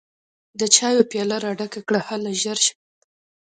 د چايو پياله راډکه کړه هله ژر شه!